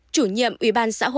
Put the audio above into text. chủ nhiệm ubnd